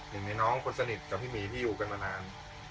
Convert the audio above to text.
หนึ่งในน้องคนสนิทกับพี่หมีที่อยู่กันมานาน